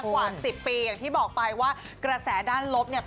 กว่า๑๐ปีอย่างที่บอกไปว่ากระแสด้านลบเนี่ย